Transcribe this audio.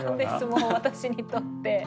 もう私にとって。